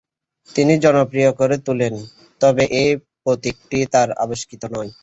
তিনি জনপ্রিয় করে তোলেন, তবে এ প্রতীকটি তার আবিষ্কৃত নয়।